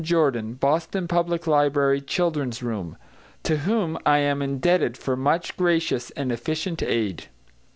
Jordan, Boston Public Library, children's room, to whom I am indebted for much gracious and efficient aid.